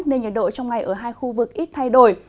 nên nhiệt độ trong ngày ở hai khu vực ít thay đổi